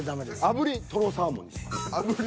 炙りトロサーモンにします。